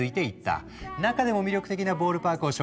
中でも魅力的なボールパークを紹介するね。